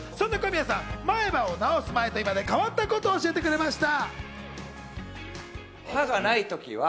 そんな小宮さん、前歯を治す前と今で変わったことを教えてくれました。